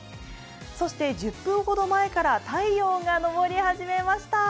そして１０分ほど前から太陽が昇り始めました。